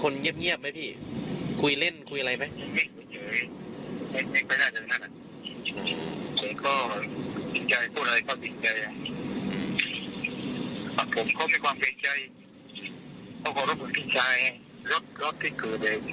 ก็รู้เป็นใจรอดที่ก็ยังรอดที่แม่เขาอยู่